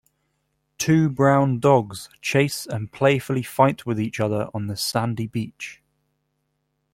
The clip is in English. Two brown dogs chase and playfully fight with each other on the sandy beach.